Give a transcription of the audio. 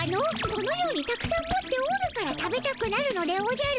そのようにたくさん持っておるから食べたくなるのでおじゃる。